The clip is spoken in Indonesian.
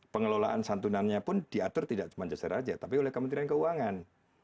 pengelolaan santunannya pun diatur tidak cuma jajar aja tapi oleh kementerian keuangan